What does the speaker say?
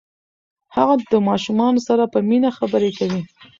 هغه د ماشومانو سره په مینه خبرې کوي.